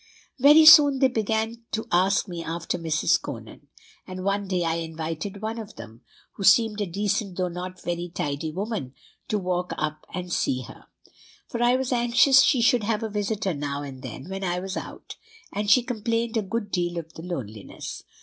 "Very soon they began to ask me after Mrs. Conan; and one day I invited one of them, who seemed a decent though not very tidy woman, to walk up and see her; for I was anxious she should have a visitor now and then when I was out, as she complained a good deal of the loneliness.